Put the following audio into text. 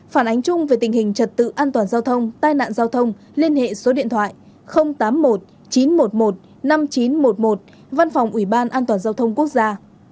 phản ánh chung về tình hình trật tự an toàn giao thông tai nạn giao thông liên hệ số điện thoại tám mươi một chín trăm một mươi một năm nghìn chín trăm một mươi một văn phòng ủy ban an toàn giao thông quốc gia